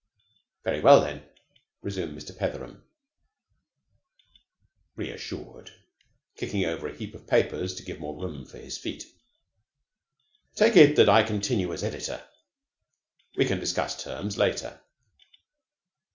"Very well, then," resumed Mr. Petheram, reassured, kicking over a heap of papers to give more room for his feet. "Take it that I continue as editor. We can discuss terms later.